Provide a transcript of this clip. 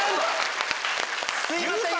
すいません！